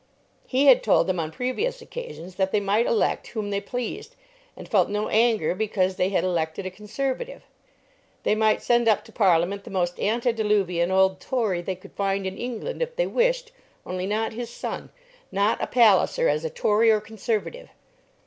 He had told them on previous occasions that they might elect whom they pleased, and felt no anger because they had elected a Conservative. They might send up to Parliament the most antediluvian old Tory they could find in England if they wished, only not his son, not a Palliser as a Tory or Conservative.